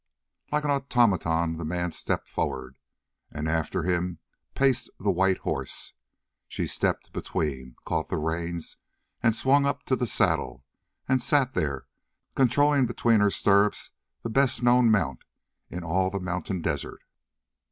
Like an automaton the man stepped forward, and after him paced the white horse. She stepped between, caught the reins, and swung up to the saddle, and sat there, controlling between her stirrups the best known mount in all the mountain desert.